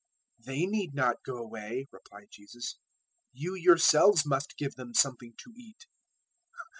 014:016 "They need not go away," replied Jesus; "you yourselves must give them something to eat."